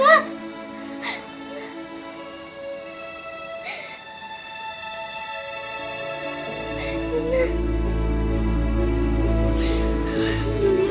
tarmihin di jarum